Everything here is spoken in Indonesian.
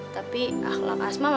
tapi akhlak asmatnya